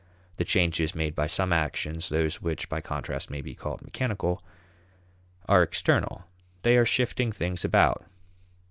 The changes made by some actions (those which by contrast may be called mechanical) are external; they are shifting things about.